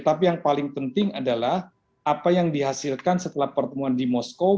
tapi yang paling penting adalah apa yang dihasilkan setelah pertemuan di moskow